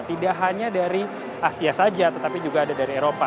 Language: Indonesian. tidak hanya dari asia saja tetapi juga ada dari eropa